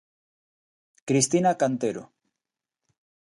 Cristina Cantero.